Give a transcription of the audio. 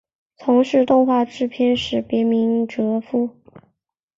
从事动画制作时别名哲夫。